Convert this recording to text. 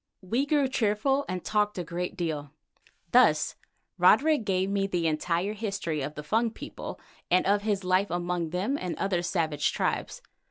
We grew cheerful and talked a great deal. Thus Roderick gave me the entire history of the Fung people and of his life among them and other savage tribes.